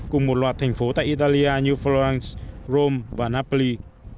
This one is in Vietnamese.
cùng một loạt thành phố tại italia như florence rome và napoli